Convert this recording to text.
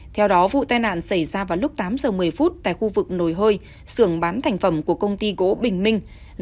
theo đó vụ tai nạn xảy ra vào lúc tám giờ một mươi phút tại khu vực nồi hơi sưởng bán thành phẩm của công ty gỗ bình minh